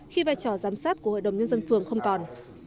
khi vai trò giám sát của hội đồng nhân dân phường không còn